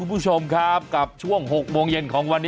ผู้ว่าบ้างนกรรมทาด้วน